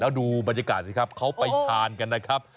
แล้วดูบรรยากาศสิครับเขาไปทานกันนะครับ